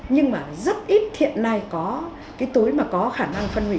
nhưng mà rất ít hiện nay có cái túi mà có khả năng phân hủy